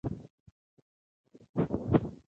روسي جنرال به له آرشیف څخه کار اخیستی وي.